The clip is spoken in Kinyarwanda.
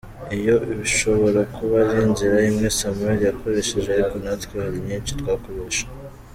Iyo ishobora kuba ari inzira imwe Samuel yakoresheje ariko natwe hari nyinshi twakoresha.